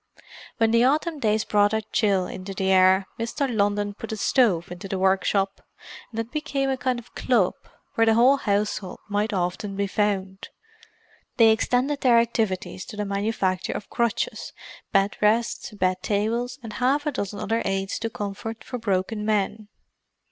When the autumn days brought a chill into the air, Mr. Linton put a stove into the workshop; and it became a kind of club, where the whole household might often be found; they extended their activities to the manufacture of crutches, bed rests, bed tables, and half a dozen other aids to comfort for broken men.